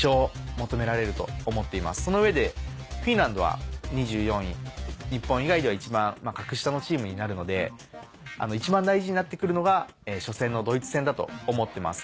その上でフィンランドは２４位日本以外では一番格下のチームになるので一番大事になってくるのが初戦のドイツ戦だと思ってます。